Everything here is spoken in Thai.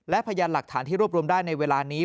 และพยานหลักฐานที่รวบรวมได้ในเวลานี้